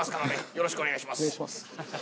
よろしくお願いします。